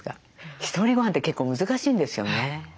ひとりごはんって結構難しいんですよね。